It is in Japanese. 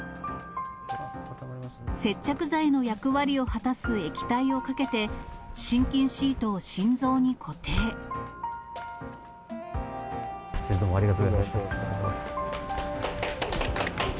接着剤の役割を果たす液体をかけて、どうもありがとうございました。